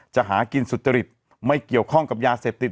หากินสุจริตไม่เกี่ยวข้องกับยาเสพติด